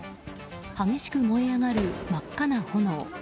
激しく燃え上がる真っ赤な炎。